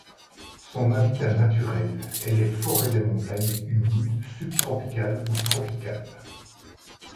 Son habitat naturel est les forêts des montagnes humides subtropicales ou tropicales.